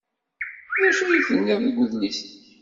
D acu ay tenniḍ deg wedlis-nni?